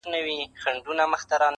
بيزو وان د خپل تقدير د دام اسير وو،